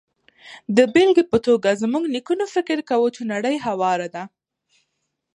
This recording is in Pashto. د بېلګې په توګه، زموږ نیکونو فکر کاوه چې نړۍ هواره ده.